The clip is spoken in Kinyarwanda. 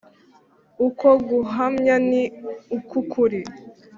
Uko guhamya ni uk’ukuri